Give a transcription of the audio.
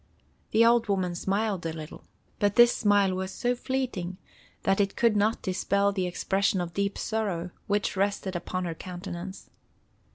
The old woman smiled a little, but this smile was so fleeting that it could not dispel the expression of deep sorrow which rested upon her countenance.